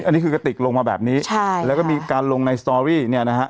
อันนี้คือกระติกลงมาแบบนี้ใช่แล้วก็มีการลงในสตอรี่เนี่ยนะฮะ